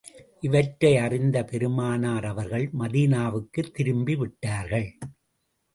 இவற்றை அறிந்த பெருமானார் அவர்கள் மதீனாவுக்குத் திரும்பி விட்டார்கள்.